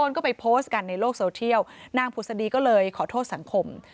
ก็ไปโพสต์กันในโลกโซเทียลนางผุศดีก็เลยขอโทษสังคม